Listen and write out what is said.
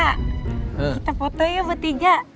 kita foto yuk bu tiga